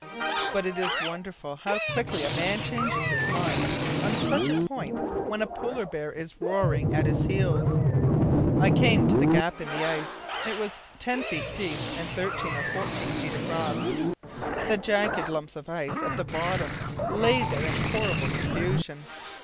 But it is wonderful how quickly a man changes his mind on such a point when a polar bear is roaring at his heels. I came to the gap in the ice. It was ten feet deep and thirteen or fourteen feet across. The jagged lumps of ice at the bottom lay there in horrible confusion.